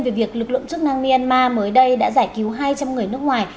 về việc lực lượng chức năng myanmar mới đây đã giải cứu hai trăm linh người nước ngoài